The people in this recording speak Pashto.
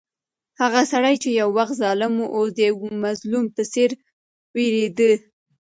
هغه سړی چې یو وخت ظالم و، اوس د یو مظلوم په څېر وېرېده.